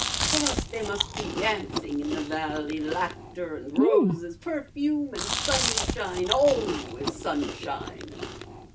For us there must be dancing in the valley, laughter and roses, perfume and sunshine always sunshine."